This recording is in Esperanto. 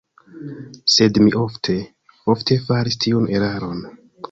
Sed mi ofte, ofte faris tiun eraron.